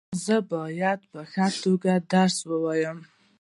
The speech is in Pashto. زه باید په ښه توګه درس وایم.